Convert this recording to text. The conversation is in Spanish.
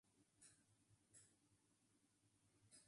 Todas las ruedas tienen cuatro radios.